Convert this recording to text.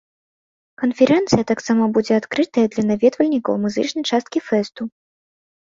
Канферэнцыя таксама будзе адкрытая для наведвальнікаў музычнай часткі фэсту.